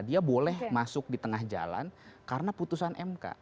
dia boleh masuk di tengah jalan karena putusan mk